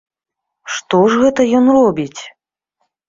Што ж гэта ён робіць?